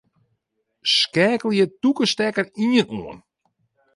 Skeakelje tûke stekker ien oan.